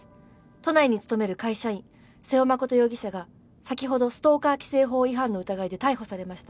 都内に勤める会社員背尾真容疑者が先ほどストーカー規制法違反の疑いで逮捕されました。